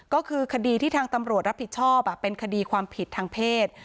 ก็คือคดีที่ทางตำรวจรับผิดชอบเป็นคดีความผิดทางเพศ